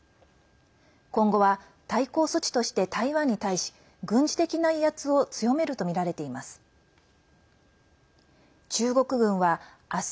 今後は対抗措置として台湾に対し軍事的な威圧を強めるとみられています。